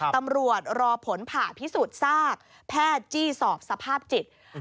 รอผลผ่าพิสูจน์ซากแพทย์จี้สอบสภาพจิต